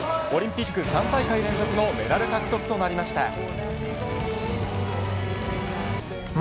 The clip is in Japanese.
オリンピック３大会連続のメダル獲得となりました。